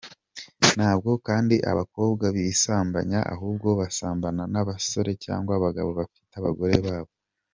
Ntabwo kandi abakobwa bisambanya ahubwo basambana n’abasore cyangwa abagabo bafite abagore babo.